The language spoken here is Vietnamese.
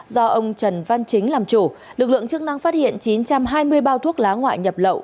do ông trần văn chính làm chủ lực lượng chức năng phát hiện chín trăm hai mươi bao thuốc lá ngoại nhập lậu